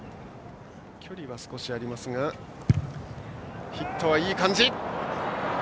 距離は少しありますがヒットはいい感じ。